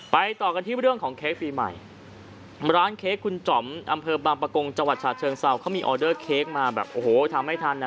ไปต่อกันที่เรื่องของเค้กปีใหม่ร้านเค้กอำเภอบำปะกงจฉธงเศรษฐ์เขามีออเดอร์เค้กมาแบบทำไม่ทัน